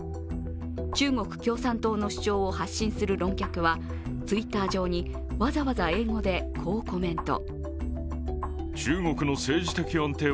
中国共産党の主張を発信する論客は、Ｔｗｉｔｔｅｒ上にわざわざ英語でこうコメント。